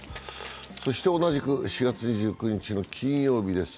そして同じく４月２９日の金曜日です